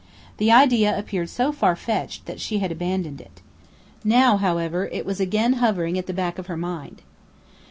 The idea appeared so far fetched that she had abandoned it. Now, however, it was again hovering at the back of her mind.